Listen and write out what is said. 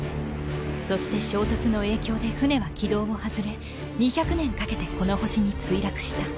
そして衝突の影響で船は軌道を外れ２００年かけてこの星に墜落した。